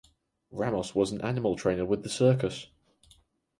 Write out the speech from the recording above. Ramos was an animal trainer with the circus.